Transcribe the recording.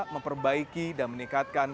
memperbaiki dan meningkatkan